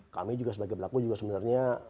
kami juga sebagai pelaku juga sebenarnya